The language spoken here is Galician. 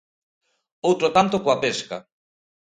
Outro tanto coa pesca.